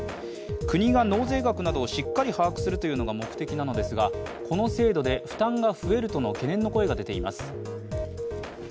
国が納税額などをしっかり把握するというのが目的なのですがこの制度で負担が増えるとの懸念の声が出ています。